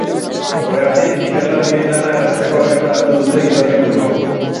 Horregatik, ikerlariei lana errazteko, argitaratu dute gida-liburu hau.